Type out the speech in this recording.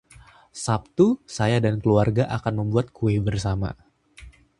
Sabtu, saya dan keluarga akan membuat kue bersama.